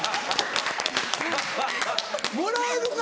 もらえるか！